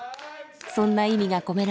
そんな意味が込められた